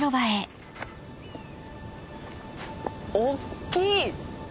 大っきい！